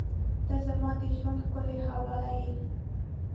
• ته زما د ژونده ښکلي حواله یې.